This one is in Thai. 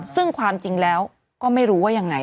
ซึ่งความจริงแล้วก็ไม่รู้ว่ายังไง